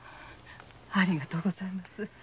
ありがとうございます。